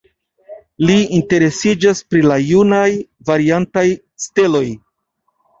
Li interesiĝas pri la junaj variantaj steloj.